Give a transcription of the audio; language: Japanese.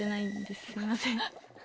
すいません。